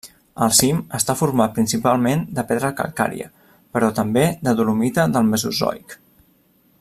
El cim està format principalment de pedra calcària, però també de dolomita del Mesozoic.